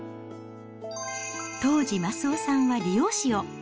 当時、益男さんは理容師を。